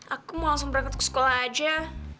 aku mau langsung berangkat ke sekolah aja